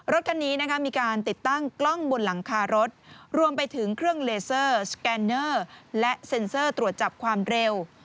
รถคันนี้นะคะมีการติดตั้งกล้องบนหลังคารถรวมไปถึงเครื่องเลเซอร์สแกนเนอร์และเซ็นเซอร์ตรวจจับความเร็ว